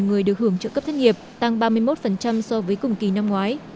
sáu mươi người được hưởng trợ cấp thất nghiệp tăng ba mươi một so với cùng kỳ năm ngoái